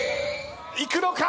いくのか？